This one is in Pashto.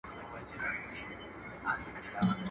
له نقابو یې پرهېزګاره درخانۍ ایستله.